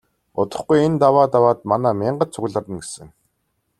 Удахгүй энэ даваа даваад манай мянгат цугларна гэсэн.